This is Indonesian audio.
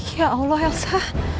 ya allah elsa